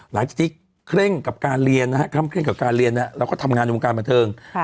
หลังจากที่เคร่งกับการเรียนนะครับแล้วก็ทำงานในวงการบรรเทิง